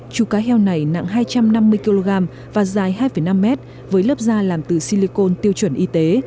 chú cá heo này nặng hai trăm năm mươi kg và dài hai năm mét với lớp da làm từ silicon tiêu chuẩn y tế